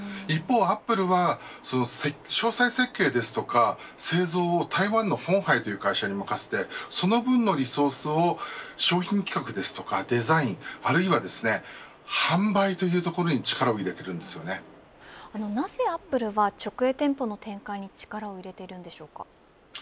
一方、アップルは詳細設計ですとか製造を台湾の鴻海という会社に任せてその分のリソースを、商品企画やデザイン、あるいは販売というところになぜアップルは直営店舗の展開に力を入れているのでしょうか。